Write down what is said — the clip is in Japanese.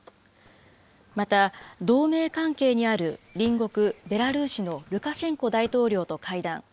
また、同盟関係にある隣国、ベラルーシのルカシェンコ大統領と会談。